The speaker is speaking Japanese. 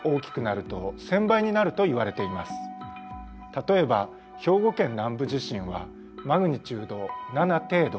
例えば兵庫県南部地震はマグニチュード７程度。